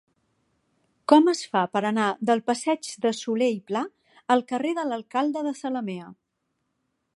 Com es fa per anar del passeig de Solé i Pla al carrer de l'Alcalde de Zalamea?